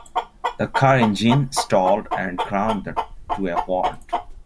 The car engine stalled and ground to a halt.